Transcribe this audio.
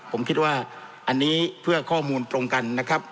ผมคิดว่าอันนี้เพื่อข้อมูลตรงกันนะครับ